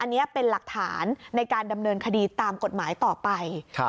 อันนี้เป็นหลักฐานในการดำเนินคดีตามกฎหมายต่อไป